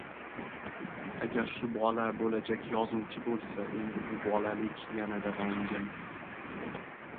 Agar shu bola bo‘lajak yozuvchi bo‘lsa, endi bu bolalik yanada rangin